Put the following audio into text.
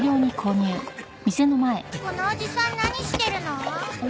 このおじさん何してるの？